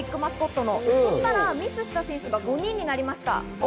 そしたらミスした選手が５人になりました。